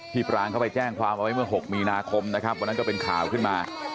ปรางเขาไปแจ้งความเอาไว้เมื่อ๖มีนาคมนะครับวันนั้นก็เป็นข่าวขึ้นมา